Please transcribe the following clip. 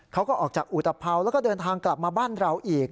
เขาก็ออกจากอุตภัวแล้วก็เดินทางกลับมาบ้านเราอีก